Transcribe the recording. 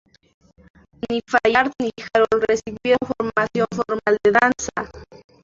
Ni Fayard ni Harold recibieron formación formal de danza.